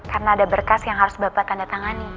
karena ada berkas yang harus bapak kandatangani